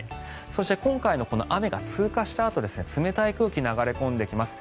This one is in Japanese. そして今回の雨が通過したあと冷たい空気が流れ込んできます。